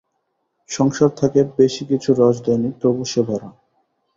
সংসার তাকে বেশি কিছু রস দেয় নি, তবু সে ভরা।